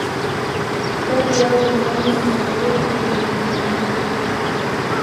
Idadi yao duniani hukadiriwa kuwa milioni mia moja hivi.